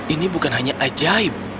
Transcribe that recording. ini bukan hanya ajaib